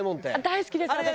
大好きです私は。